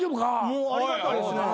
もうありがたいですね。